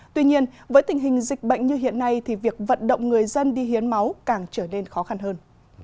tuy nhiên với tình hình dịch bệnh như hiện nay thì việc vận động người dân đi hiến máu càng trở nên khó khăn hơn